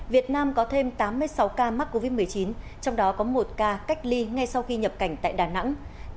việt nam có thêm tám mươi sáu ca mắc covid một mươi chín trong đó có một ca cách ly ngay sau khi nhập cảnh tại đà nẵng